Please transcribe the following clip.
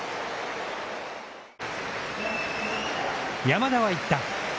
山田は言った。